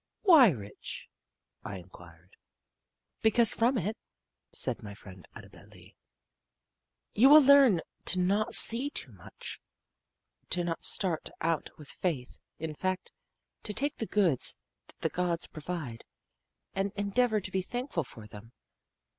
"Why rich?" I inquired. "Because from it," said my friend Annabel Lee, "you will learn to not see too much, to not start out with faith, in fact, to take the goods that the gods provide and endeavor to be thankful for them.